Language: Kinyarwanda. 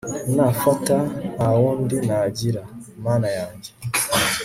nafata, nta wundi nagira. mana yanjye